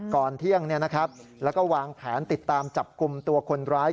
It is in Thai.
ก่อนเที่ยงแล้วก็วางแผนติดตามจับกลุ่มตัวคนร้าย